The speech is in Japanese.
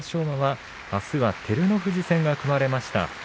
馬はあすは照ノ富士戦が組まれました。